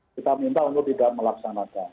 kita minta untuk tidak melaksanakan